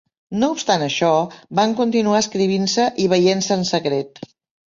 No obstant això, van continuar escrivint-se i veient-se en secret.